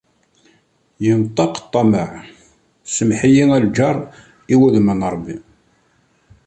Yenṭeq ṭṭameε: “Semmeḥ-iyi a lğar i wudem n Rebbi."